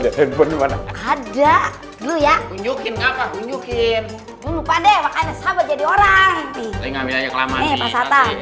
ini alat komunikasi jarak jauh